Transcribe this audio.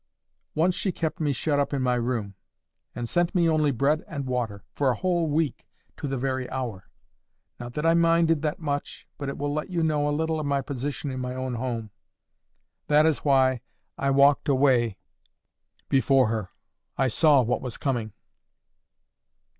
Once she kept me shut up in my room, and sent me only bread and water, for a whole week to the very hour. Not that I minded that much, but it will let you know a little of my position in my own home. That is why I walked away before her. I saw what was coming."